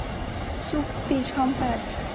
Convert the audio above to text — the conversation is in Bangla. চুক্তি সম্পন্ন, স্যার।